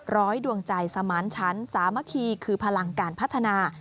ดวงใจสมานชั้นสามัคคีคือพลังการพัฒนา